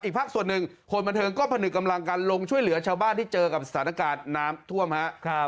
ภาคส่วนหนึ่งคนบันเทิงก็ผนึกกำลังกันลงช่วยเหลือชาวบ้านที่เจอกับสถานการณ์น้ำท่วมครับ